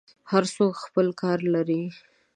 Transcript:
هر څوک خپل کار لري.